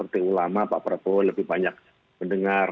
ulama pak prabowo lebih banyak mendengar